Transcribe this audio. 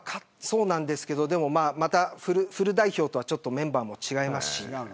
そうなんですけれどフル代表とはメンバーも違いますし。